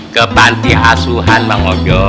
ke pantai asuhan mak ngobjo